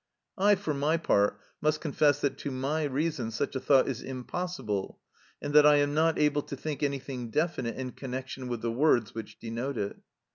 I for my part must confess that to my reason such a thought is impossible, and that I am not able to think anything definite in connection with the words which denote it.